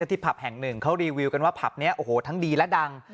ที่ผับแห่งหนึ่งเขารีวิวกันว่าผับนี้โอ้โหทั้งดีและดัง